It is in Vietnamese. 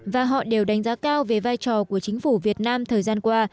và họ đều đánh giá cao về vai trò của chính phủ việt nam thời gian qua